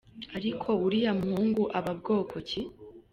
Ariko uriya muhungu aba bwoko ki?